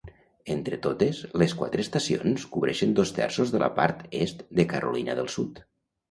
Entre totes, les quatre estacions cobreixen dos terços de la part est de Carolina del Sud.